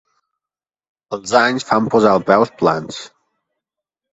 Els anys fan posar els peus plans.